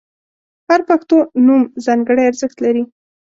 • هر پښتو نوم ځانګړی ارزښت لري.